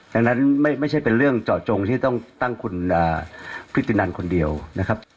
ดังนั้นไม่ใช่เป็นเรื่องเจาะจงที่ต้องตั้งคุณพิธินันคนเดียวนะครับ